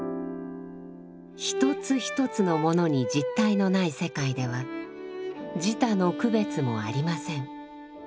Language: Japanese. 一つ一つのものに実体のない世界では自他の区別もありません。